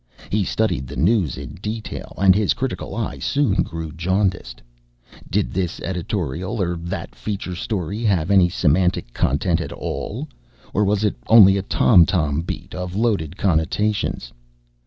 He studied the news in detail, and his critical eye soon grew jaundiced did this editorial or that feature story have any semantic content at all, or was it only a tom tom beat of loaded connotations?